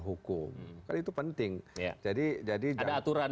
hukum itu penting jadi jadi ada aturan